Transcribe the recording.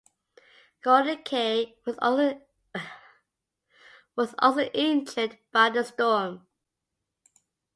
Gorden Kaye was also injured by the storm.